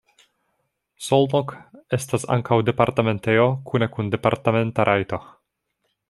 Szolnok estas ankaŭ departementejo kune kun departementa rajto.